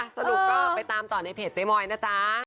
สรุปก็ไปตามต่อในเพจเจ๊มอยนะจ๊ะ